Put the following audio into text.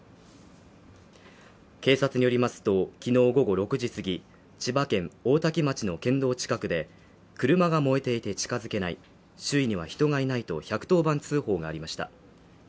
警察によりますと、きのう午後６時すぎ、千葉県大多喜町の県道近くで車が燃えていて近づけない周囲には人がいないと１１０番通報がありました。